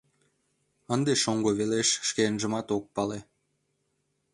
Ынде шоҥго велеш шкенжымат ок пале.